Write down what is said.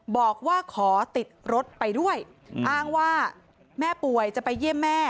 บอกว่าขอติดรถไปด้วยอ้างว่าแม่ป่วยจะไปเยี่ยมแม่